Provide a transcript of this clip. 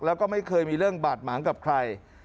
แล้วก็ไม่เคยมีเรื่องบาดหมางกับใคร